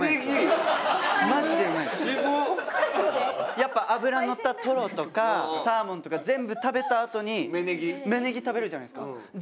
やっぱ脂のったトロとかサーモンとか全部食べたあとに芽ねぎ食べるじゃないですか。